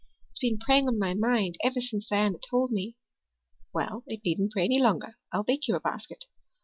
It's been preying on my mind ever since Diana told me." "Well, it needn't prey any longer. I'll bake you a basket."